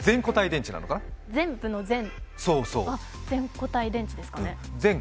全部の全、全固体電池ですかね。